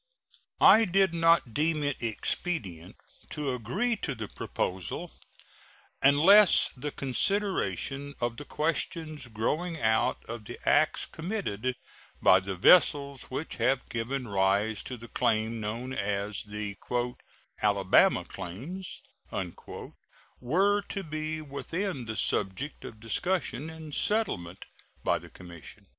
I did not deem it expedient to agree to the proposal unless the consideration of the questions growing out of the acts committed by the vessels which have given rise to the claims known as the "Alabama claims" were to be within the subject of discussion and settlement by the commission.